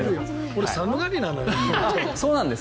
俺、寒がりなのよ。